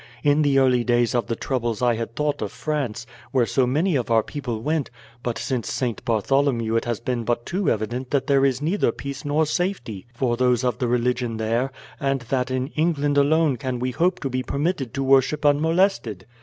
In the early days of the troubles I had thought of France, where so many of our people went, but since St. Bartholomew it has been but too evident that there is neither peace nor safety for those of the religion there, and that in England alone can we hope to be permitted to worship unmolested.